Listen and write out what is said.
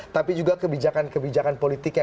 tapi juga kebijakan kebijakan politiknya